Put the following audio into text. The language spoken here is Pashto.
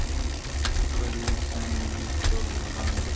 خړي څانګي تور زاغان وای -